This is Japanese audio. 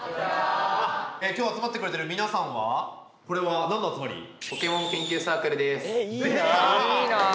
きょう集まってくれてる皆さんはこれは何の集まり？えいいなあ。